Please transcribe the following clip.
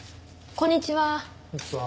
こんにちは。